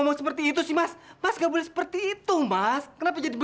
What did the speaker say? nanti mas berry akan menarap